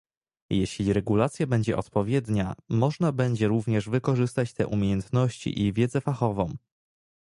Jeśli regulacja będzie odpowiednia, można będzie również wykorzystać te umiejętności i wiedzę fachową